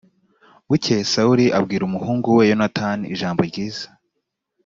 bukeye sawuli abwira umuhungu we yonatani ijambo ryiza